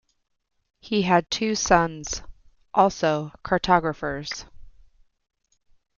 He had two sons, also cartographers.